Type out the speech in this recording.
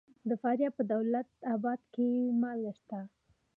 د فاریاب په دولت اباد کې مالګه شته.